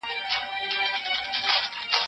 پښتون